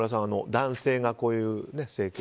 男性がこういう整形。